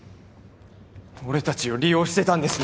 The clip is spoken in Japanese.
俺達を利用してたんですね